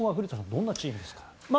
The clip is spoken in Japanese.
どんなチームですか？